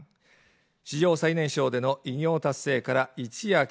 史上最年少での偉業達成から一夜明け